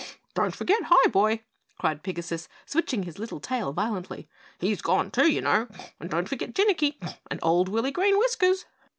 "Don't forget Highboy!" cried Pigasus, switching his little tail violently. "He's gone, too, you know, and don't forget Jinnicky and old Willy Green Whiskers!"